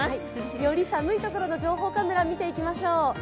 より寒いところの情報カメラを見ていきましょう。